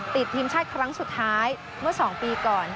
ติดทีมชาติครั้งสุดท้ายเมื่อ๒ปีก่อน